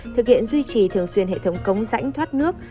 thực hiện duy trì thường xuyên hệ thống cống rãnh thoát nước